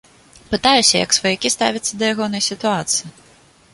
Пытаюся, як сваякі ставяцца да ягонай сітуацыі.